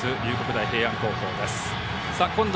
大平安高校です。